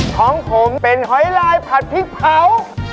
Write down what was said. ของผมเป็นหอยลายผัดพริกเผา